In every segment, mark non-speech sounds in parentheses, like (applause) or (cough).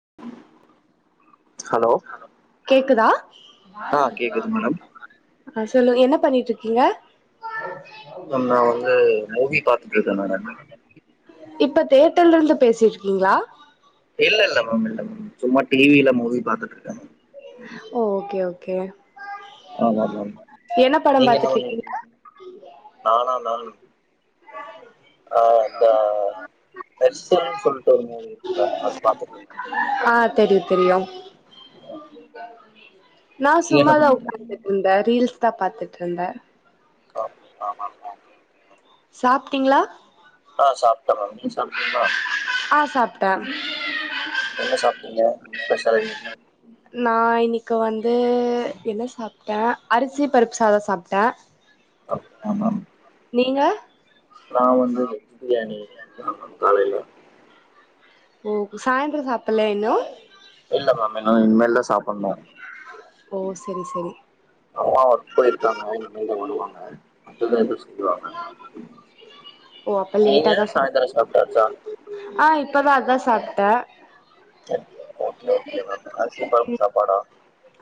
(inaudible) கேக்குதா (inaudible) ஆஹ் கேக்குது மேடம் அஹ் சொல்லுங்க என்ன பண்ணிட்டு இருக்கீங்க நா வந்து மூவி பாத்துட்டு இருக்கேன் நான் மேடம் இப்ப தேட்டர் லா இருந்து பேசிடுக்கீங்களா இல்ல இல்ல மேம் இல்ல மேம் சும்மா டிவில மூவி பாத்துட்டு இருக்கேன் ஓ ஓகே ஓகே ஓக்கே ஆமா மேம் படம் நீங்க என்ன பாத்துட்டு பண்ணி இருக்கீங்க நானா மேம் ஆஹ் இந்த மெர்சல் சொல்லிட்டு ஒரு மூவி இருக்கு மேம் அது பாத்துட்டு இருந்தேன் ஆஹ் தெரியும் தெரியும் நான் நீங்க என்ன சுமாதான் பண்ணிட்டு இருக்கீங்க ஒக்காந்துடு இருந்தேன் ரீல்ஸ் த்தா பாத்துட்டு இருந்தேன் ஆ ஆமா ஆமா சாப்பிட்டீங்களா ஆஹ் சாப்ட்ட மேம் நீங்க சாப்ட்டீங்களா ஆ சாப்டன் என்ன சாப்பிட்டீங்க ஸ்பெஷல் நான் இன்னைக்கு வந்து என்ன சாப்புட்டேன் அரிசி பருப்பு சாதம் சாப்புட்டேன் அ ஆமா நீங்க நான் வந்து வெஜ் பிரியாணி காலையில ஓ சாய்ந்தரம் சாப்பிடல இன்னும் இல்ல மேம் என்ன இனிமேல் தான் சாப்புட்ணும் ஓ செரி செரி அம்மா ஒர்க் போயிருக்காங்க இனிமேல் தான் வருவாங்க அப்பதான் எதுவும் செய்வாங்க ஓ அப்ப நீங்க லேட்டா ஆதான் சாப்ப சாயந்தரம் சாப்பிட்டாச்சா ஆஹ் இப்பதான் அதான் சாப்ப த ஓகே ஓகே மேம் அரிசிபருப்பு சாப்பாட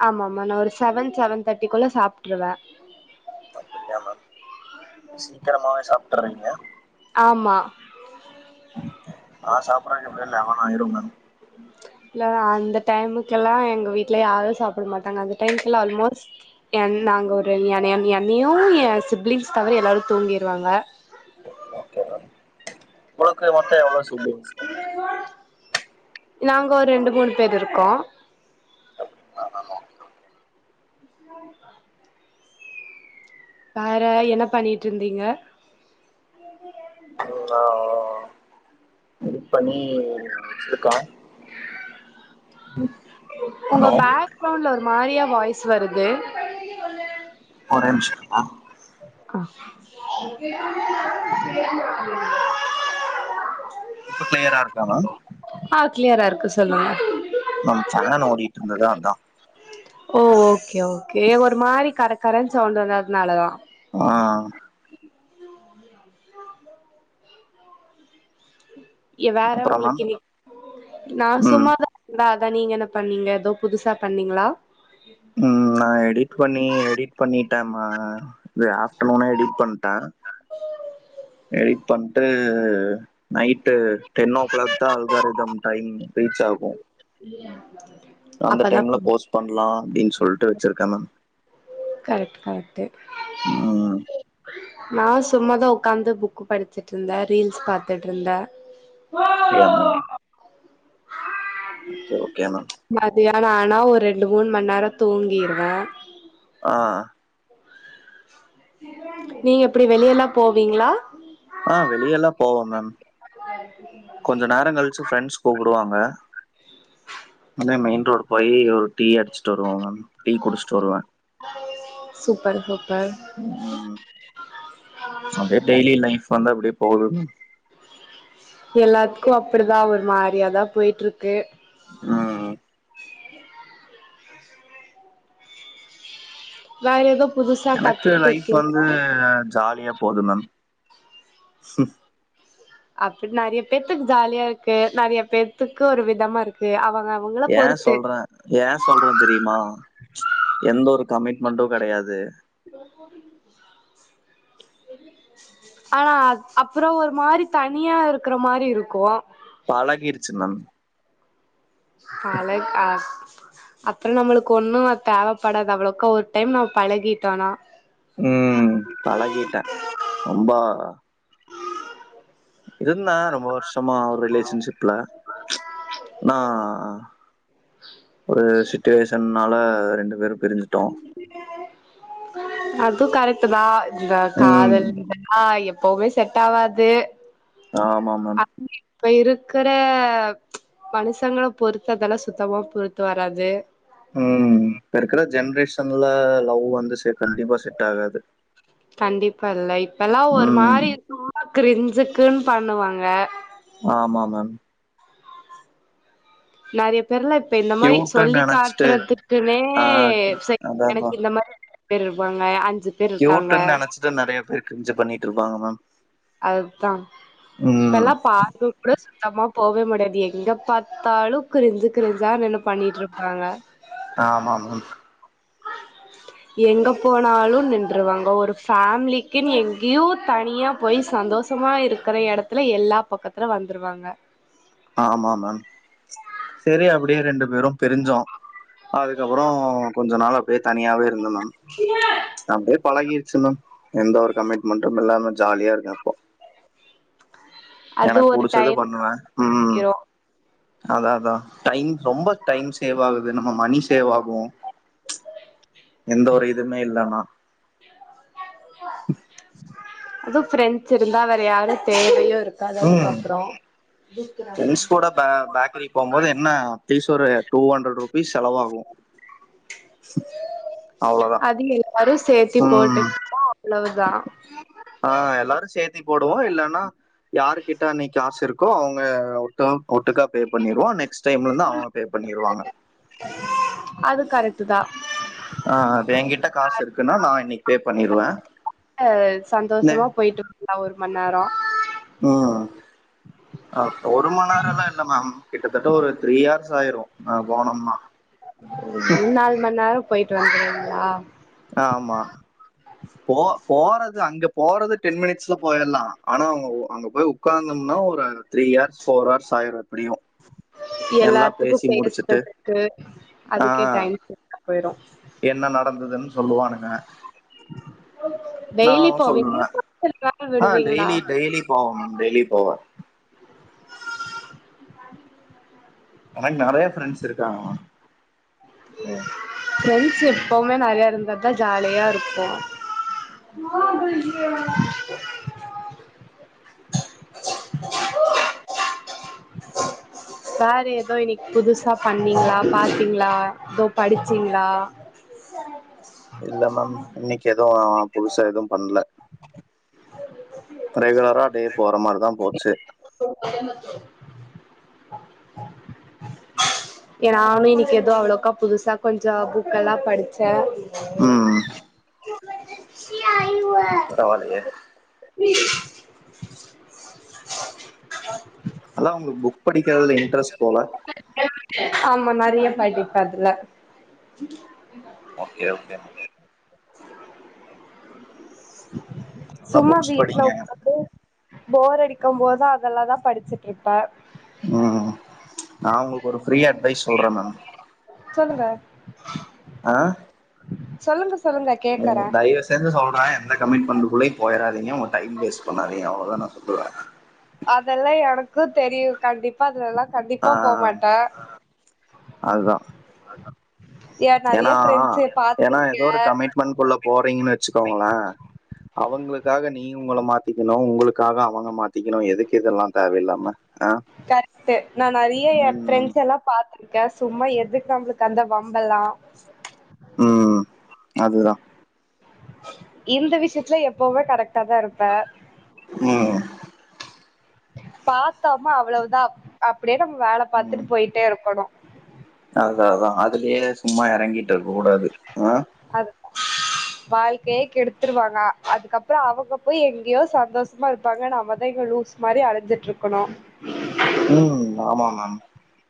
ஆமா ஆமா நான் ஒரு செவன் செவன் தர்ட்டிக்குள்ள சாப்புட்டுருவேன் அப்டியா மேம் சீக்கிரமாவே சாப்புட்டுறீங்க ஆமா நான் சாப்பாருதுக்கு எப்புடியும் லெவன் ஆயிரும் மேம் இல்ல அந்த டைமுக்கு எல்லாம் எங்க வீட்ல யாரும் சாப்பிட மாட்டாங்க அந்த டைமுக்கு எல்லாம் ஆல்மோஸ்ட் என் நாங்க ஒரு என்னையும் என் சிப்லிங்ஸ் தவிர எல்லாரும் தூங்கிருவாங்க ஓகே ஓகே மேம் உங்களுக்கு மேம் மொத்த எவ்ளோ சிப்லிங்ஸ் மேம் நாங்க ஒரு ரெண்டு மூணு பேர் இருக்கோம் அப்படிங்களா மேம் ஓகே கும் வேற என்ன பண்ணிட்டு இருந்தீங்க பணி எரிமழை செரி பாய் உங்க ஹலோ பேக்ரவுண்ட்ல ஒரு மாரியா வாய்ஸ் வருது ஒரு நிமிஷம் ஆஹாங் இப்ப கிளியரா இருக்கா மேம் கிளியரா சொல்லுங்க மேம் ஃபேன் ஓடிட்டு இருந்தது அதான் ஓ ஓகே - ஓகே ஒரு மாரி கரக்கரன்னு சவுண்ட் வந்ததுனாலதான் ஆஹ வேற அப்புறம் உங்களுக்கு மேம் இன்னிக் நா ம் சும்மாதா நான் நீங்க என்ன பண்ணீங்க ஏதோ புதுசா பண்ணீங்களா உம் நா எடிட் பண்ணி எடிட் பண்ணிட் யாம்மா இது ஆப்டர்நூனே எடிட் பண்ணிட்டேன் எடிட் பண்ணிட்டு நைட்டு டென்நோ கிளாக் தான் அல்காரதம் டைம் ரீச் ஆகும் உள்ளேயே அந்த டைம்ல போஸ்ட் பண்ணலாம் அப்டின்னு சொல் சொல்லிட்டு வச்சிருக்கனும் கரெக்ட் - கரெக்ட்டு ம். நா சும்மாதா உகாந்து புக்கு படிச்சட்டு இருந்தேன் ரீல்ஸ் பாத்துட்டு இருந்தேன் டீயாமேம் ஓகே - ஓகே ஆனா மதியானம் ஆனா ஒரு ரெண்டு மூண்ம நேரம் தூங்கிருவேன் ஆஹ நீங்க எப்டி வெளியலாம் போவீங்களா ஆஹ வெளியலாம் போவேன் மேம் பாரு கொஞ்ச நேரம் கழிச்சு பிரெண்ட்ஸ் கூப் உடுவாங்க அப்டியே மெயின் ரோடு் போய் ஒரு டீ அடிச்சுட்டு வருவோம் மேம் டீ குடிச்சுட்டு வருவேன் சூப்பர் சூப்பர் உம் அப்டியே டெய்லி லைஃப் வந்து அப்படியே போதுனு எல்லாத்துக்கும் அப்டிதான் ஒரு மாரியாதான் போயிட்டு இருக்கு உம் வேற ஏதோ புதுசா எனக்கு கத்துக்கிட்டு லைஃப் வந்து இருக்கீங்களா ஜாலியா போதும் மேம் அப்பட நிறைய பேத்துக்கு ஜாலியா இருக்கு நிறைய பேத்துக்கு ஒரு விதமா இருக்கு அவங்க அவங்கள ஏன் பொறுத்து சொல்றேன் ஏன் சொல்றேன் தெரியுமா எந்த ஒரு கமிட்டி மண்டு கிடையாது ஆனா அப்புறம் ஒரு மாதிரி தனியா இருக்கிற மாதிரி இருக்கும் பழகிடுச்சு மேம் பாலக ஆ (inaudible) அப்புறம் நம்மளுக்கு ஒன்னும் அ தேவைப்படாத அவ்வளவுக்க ஒரு டைம் நம் பழகிட்டோனா உம் பழகிட்டா ரொம்ப இருந்தான் ரொம்ப ஒ வருஷமா ரிலேஷன்ஷிப்ல ஆனா ஒரு சச்சுவேஷனால ரெண்டு பேரும் பிரிஞ்சுட்டோம் அது கரெக்ட் தா இந்த ம் காதல்ப்ப எப்பவுமே செட் ஆவாது ஆமா மேம் இப்ப இருக்கிற மனுஷங்களை பொறுத்து அதெல்லாம் சுத்தமா பொறுத்து வராது உம் இப்ப இருக்கிற ஜென்ரேஷன்ல லவ் வந்துசெ கண்டிப்பா செட் ஆகாது கண்டிப்பா இல்ல இப்பெல்லாம் ஒரு ம் மாதிரி இரு கிரிஞ்சு திரு பண்ணுவாங்க ஆமா மேம் நிறையப் தெரியல இப்ப இந்த மாதிரி கியூட்டுன்னு சொல்லி் நெனச்சிட்டு காட்டுறதுட்டுன்னே ஆ செ அதா அதா எனக்கு இந்த மாதிரி பேர் இருபாங்க அச் கியூட்டுன்னு நினைச்சிட்டு நிறைய பேர் கிரிஞ்சு பண்ணிட்டு திருப்பாங்க மேம் அதுதான் ம் இப்பல்லாம் பக் கூட மத்தமா போவே முடியாது எங்க பத்தாலும் கிரிஞ்சு கிரிஞ்சான பண்ணிட்டு இருப்பாங்க ஆமா மேம் எங்க போனாலும் நின்றுருவாங்க ஒரு ஃபேமிலிக்குன்னு எங்கேயோ தனியா போய் சந்தோஷமா இருக்கிற இடத்துல எல்லா பக்கத்துல வந்துருவாங்க ஆமா மேம் செரி அப்படியே ரெண்டு பேரும் பிரிஞ்சோம் அதுக்கப்புறம் கொஞ்ச நாள் அப்படியே தனியாவே இருந்தணும் அப்படியே பழகி ச்சி எந்த ஒரு கமிட்மெண்டும் எல்லாருாமே ஜாலியா இருக்கு அப்போ அது எனக்கு ஒரு புிடிச்சத டைம்க்கு பண்ணுவன் அப்றோ உம் பழகிரு அதான் அதான் டைம் ரொம்ப டைம் சேவ் ஆகுது நம்ம மணி சேவ் ஆகும் எந்த ஒரு இதுமே இல்லன்னா ஆஹ (inaudible) அதுவும் பிரெஞ்சு இருந்தா வேற யாரும் தேவையோ இருக்காது அதுக்கப்புறம் பிரண்ட்ஸ் கூட பேக்கரி போகும்போது என்ன பீஸ் ஒரு டூ ஹண்ட்ரட் ருபீஸ் செலவாகும் அவ்ளோதான் அது எல்லாரு சேத்தி போட்டு அவ்ளவுதான் ஆஹ் எல்லாரும் சேத்தி போடுவோம் இல்லன்னா யாரு கிட்ட அன்னைக்கு காசு இருக்கோ அவங்க ஒருத் ஒட்டுக்கா பே பண்ணிருவோன் நெஸ்ட் டைலந்து அவங்கலும் பே பண்ணிருவாங்க அது கரெக்ட் தா ஹ எங்கிட்ட காசு இருக்குன்னா நான் இன்னைக்கு பே பண்ணிருவேன் நெ சந்தோஷமா போயிட்டு ஒரு மணி நேரம் ஆஹ் அஹ ஒரு மணி நேரம் எல்லாம் இல்ல மேம் கிட்டத்தட்ட ஒரு த்ரீ ஹர்ஸ் ஆயிரும்ஹ போனோம்னா மூணு நாலு மணி நேரம் போயிட்டு வந்துீங்களா ஆமா போ போறது அங்க போறது டென் மினிட்ஸ்ல போயலாம் ஆனா அவங்க அங்க போய் உட்கார்ந்தம்னா ஒரு த்ரீ ஹர்ஸ் ஃபோர் ஹர்ஸ் ஆயிரூ எப்படியும் ஹ எல்லாம் எல்லாத்துக்கும் பேசி முடிச்சுட்டு, பேசுறதுக்கு ஆ அதுக்கே டைம் போயிரும் என்ன நடந்ததுன்னு சொல்லுவானுங்க டெய்லி நான் போவீங்களா சொல்லுவேன் ஒரு சில நாள் ஆஹ் விடுவீங்களா டெய்லி டெய்லி போகணும் டெய்லி போவேன் எனக்கு நிறைய ஃப்ரெண்ட்ஸ் இருக்காங்க மா பிரிண்ட்ஸ் எப்பவுமே நிறைய இருந்தான் ஜாலியா இருக்கும் ம் ஆஹ சொ (unintelligible) (unintelligible) வேற ஏதோ இன்னைக்கு புதுசா பண்ணீங்களா பா்த்தீங்களா ஏதோ படிச்சீங்களா இல்ல மேம் இன்னைக்கு எதுவும் புதுசா எதுும் பண்லா இல்ல ரெகுுலரா டேய் போரா மார் தான் போச்சு நானும் இன்னைக்கு ஏதோ அவ்வளவுக்கா புதுசா கொஞ்சம் புக்க எல்லாம் படிச்சேன் உஹம் சய பரவால்லையே (inaudible) (inaudible) அதான் உங்களுக் புக் புக் படிக்கிறதுல இன்ட்ரெஸ்ட் போல பெரிய படிப்பதுல ஓகே ஓகே நல்லா சும்மா புக்ஸ் வீட்ல படிங்க உக்காந்து போர் அடிக்கும் போத அதெலா தான் படிச்சுட்டு இருப்ப உஹம் நான் உங்களுக்கு ஒரு ஃப்ரீயா அட்வைஸ் சொல்றேன் மெம் சொல்லுங்க ஆஹ் சொல்லுங்க சொல்லுங்க கேக்குறே தயவு செஞ்சு சொல்றேன் எந்த ‌கமிட் மெண்டுக்குள்ள போயறாதீங்க உங்க டைம் வேஸ்ட் பண்ணாதீங்க அவ்வளவுதான் நான் சொல்லுவேன் அதெலாம் எனக்கு தெரியும் கண்டிப்பா அதுல எலாம் கண்டிப்பா ஆ போமாட்ட அதுதா ஏன்னா ஏன்னா ஏதோ ஒரு கமிட்மெண்ட்குள்ள போறீங்கன்னு வச்சுக்கோங்களேன் அவங்களுக்காக நீங்க உங்கள மாத்திக்கணும் உங்களுக்காக அவங்க மாத்திக்கணும் எதுக்கு இதெலாம் தேவயிலாம கரக்ட் நான் நிறைய எ ம் பிரெண்ட்ஸ் எலாம் பாத்து சும்மா எதுக்கு நம்மளுக்கு அந்த வம்பலாம் அதுதான் இந்த விஷயத்துல எப்பவுமே கரக்டா தா இருப்ப உம் பாத்தோம அவ்வளவுதான் அப்டியே (unintelligible) வேல பாத்துட்டு போயிட்டே இருக்கணும் அதான் அதான் அதுலயே சும்மா இறங்கிட் இருக்க கூடாது ஆஹ் அது வாழ்க்கையே கெடுத்துருவாங்க அதுக்கப்புறம் அவங்க போய் எங்கேயோ சந்தோஷமா இருப்பாங்க நம்மதைங்க லூஸ் மாதிரி அழஞ்சிட்டு இருக்கணும் உம் ஆமா மேம்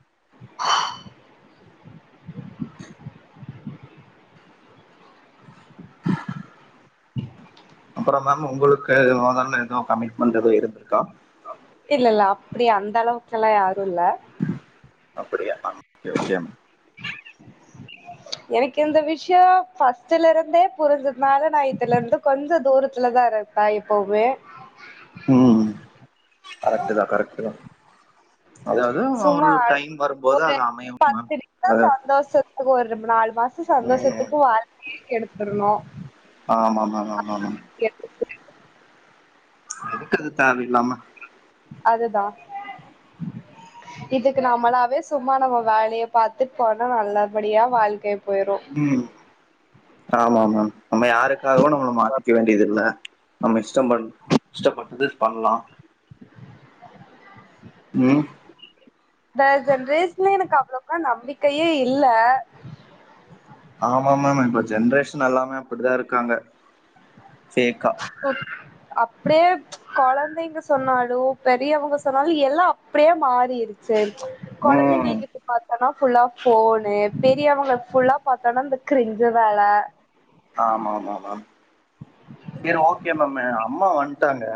(inaudible) (inaudible) அப்பறம் மேம் உங்களுக்கு முதல ஏதோ கமிட்மெண்ட் ஏதோ இருந்திருக்கா இல்ல இல்ல அப்டி அந்த அளவுக்கெலாம் யாரும் இல்ல அப்படியா (unintelligible) விஷயம் எனக்கு இந்த விஷயம் ஃபர்ஸ்ட்ல இருந்தே புரிஞ்சதுனால நான் இதுல இருந்து கொஞ்ச தூரத்துலதான் இருந்தேன் இப்பவுமே ம் கரெக்ட் தா கரெக்ட் தா அதாவது சமா ஒரு டைம் வரும்போது ஒரு அது அமையு ப அது சந்தோஷத்துக்கு ஒரு நாலு மாசம் ம் சந்தோஷத்துக்கு வாழ்க்கையே கெடுக்கும் இருணோ ஆமா மா மா மா மா (inaudible) எதுக்குது இது தேவலாமா அதுதான் இதுக்கு நம்மளாவே சும்மா நம்ம வேலைய பாரத்து போனா நல்லபடியா வாழ்க்கை போயிறும் ம் ஆமா ஆமா நம்ம யாருக்காகவும் நம்மளை மாத்திக்க வேண்டியது இல்லை நம்ம இஷ்டம் பண் இஷ்டப்பட்டது பண்ணலாம் உம் அவளவுக்கா நம்பிக்கையே இல்ல ஆமா மேம் இப்போ ஜென்ரேஷன் நல்லாமே அப்படிதான் இருக்காங்க ஃபோக்கா குழந்தைங்க சொன்னாலும் பெரியவங்க சொன்னாலும் எல்லா அப்படியே மாறிடுச்சு குழந்தைங்க ம் கிட்ட பார்த்தனா ஃபுல்லா போனே பெரியவங்க ஃபுல்லா பார்த்தோனா இந்த கிரிஞ்ச வேலை ஆமா ஆமா மேம் செரி ஓகே மேம் அம்மா வந்துட்டாங்க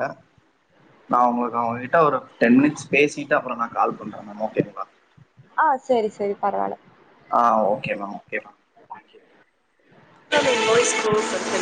நான் உங்களுக்கு அவங்க கிட்ட ஒரு டென் மினிட் பேிட்டுப்புறம் கால் பன்றக ஓகே ஆ செரி செரி பரவலா ஆ okay ma'am okay ma'am thank you நன்றி